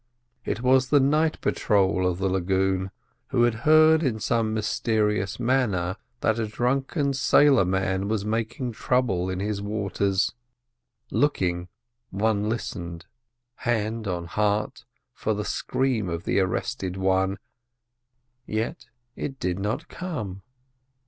It was the night patrol of the lagoon, who had heard in some mysterious manner that a drunken sailor man was making trouble in his waters. Looking, one listened, hand on heart, for the scream of the arrested one, yet it did not come.